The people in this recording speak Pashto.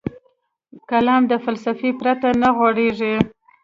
کلام له فلسفې پرته نه غوړېږي.